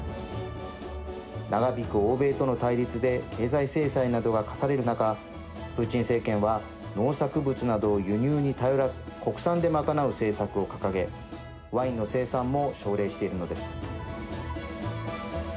長引く欧米との対立で経済制裁などが科されるなかプーチン政権は農作物などを輸入に頼らず国産でまかなう政策を掲げワインの生産も奨励しているのです。